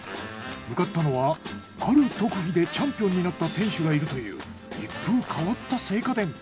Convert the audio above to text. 向かったのはある特技でチャンピオンになった店主がいるという一風変わった青果店。